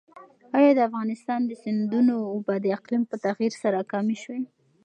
ایا د افغانستان د سیندونو اوبه د اقلیم په تغیر سره کمې شوي؟